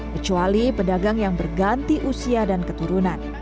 kecuali pedagang yang berganti usia dan keturunan